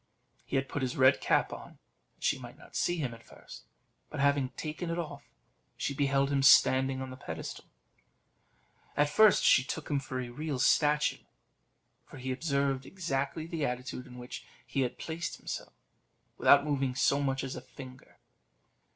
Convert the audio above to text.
He had put his red cap on, that she might not see him at first; but having taken it off, she beheld him standing on the pedestal. At first she took him for a real statue, for he observed exactly the attitude in which he had placed himself, without moving so much as a finger.